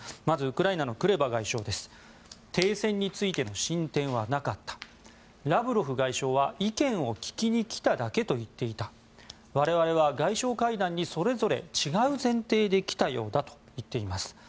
まずウクライナのクレバ外相です停戦についての進展はなかったラブロフ外相は意見を聞きに来ただけと言っていた我々は外相会談にそれぞれ違う前提で来たようだと言っています。